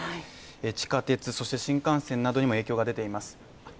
地下鉄、新幹線などにも影響が出ています。